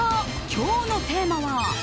今日のテーマは。